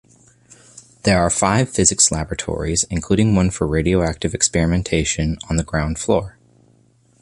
There are five physics laboratories, including one for radioactive experimentation, on the ground floor.